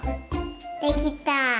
できた！